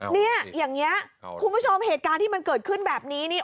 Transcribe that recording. เนี่ยอย่างนี้คุณผู้ชมเหตุการณ์ที่มันเกิดขึ้นแบบนี้นี่